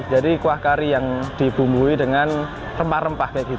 jadi kuah kari yang dibumbui dengan rempah rempah